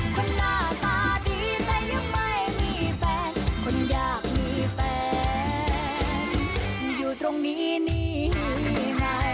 หน้าตาดีแต่ยังไม่มีแฟนคนอยากมีแฟนอยู่ตรงนี้นี่ไง